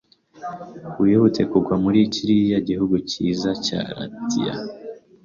Wihutiye kugwa muri kiriya gihugu cyiza cya Latiya